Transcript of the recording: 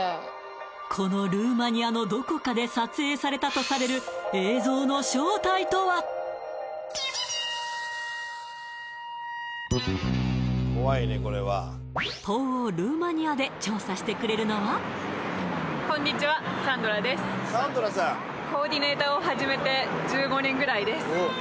このルーマニアのどこかで撮影されたとされる映像の正体とは東欧・ルーマニアでこんにちはぐらいです